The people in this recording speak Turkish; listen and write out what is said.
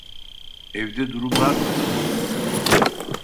Evde durumlar nasıl?